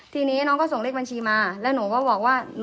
ทีนี้น้องก็ส่งเลขบัญชีมาแล้วหนูก็บอกว่า